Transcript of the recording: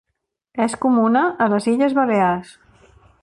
És comuna a les Illes Balears.